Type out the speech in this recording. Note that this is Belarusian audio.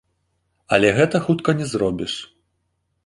Але гэта хутка не зробіш.